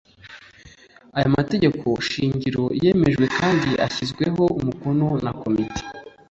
aya mategeko shingiro yemejwe kandi ashyizweho umukono na komite